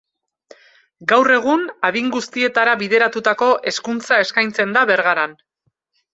Gaur egun, adin guztietara bideratutako Hezkuntza eskaintzen da Bergaran.